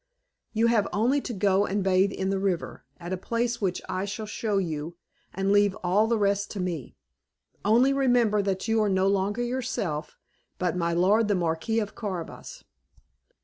"You have only to go and bathe in the river, at a place which I shall show you, and leave all the rest to me. Only remember that you are no longer yourself, but my lord the Marquis of Carabas."